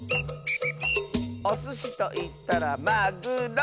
「おすしといったらまぐろ！」